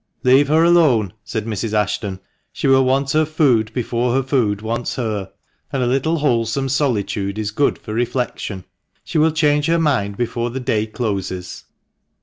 "Leave her alone," said Mrs. Ashton, "she will want her food before her food wants her ; and a little wholesome solitude is good for reflection. She will change her mind before the day closes."